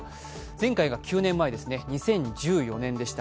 前回が９年前、２０１４年でした。